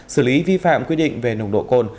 xử lý vi phạm quy định về nồng độ cồn